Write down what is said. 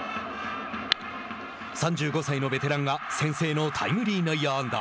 ３５歳のベテランが先制のタイムリー内野安打。